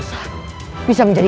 sampai zaman ini